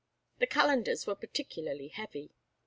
The calendars were particularly heavy.